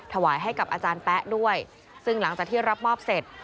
ถวายให้กับอาจารย์แป๊ะด้วยซึ่งหลังจากที่รับมอบเสร็จ